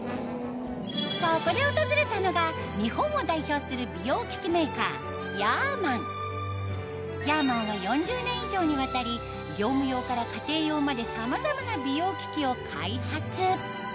そこで訪れたのが日本を代表する美容機器メーカーヤーマンヤーマンは４０年以上にわたり業務用から家庭用までさまざまな美容機器を開発